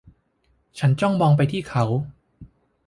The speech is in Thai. ฉันจ้องมองไปที่เขา